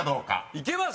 いけます！